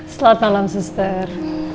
selamat malam sister